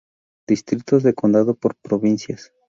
Distritos de condado por provincias.